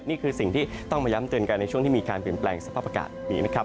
นี่คือสิ่งที่ต้องมาย้ำเตือนกันในช่วงที่มีการเปลี่ยนแปลงสภาพอากาศดีนะครับ